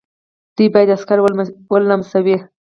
دوی باید عسکر ولمسوي.